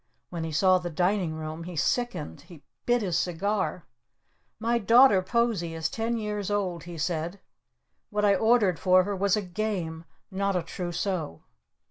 When he saw the Dining Room he sickened. He bit his cigar. "My daughter Posie is ten years old," he said. "What I ordered for her was a Game! not a Trousseau!"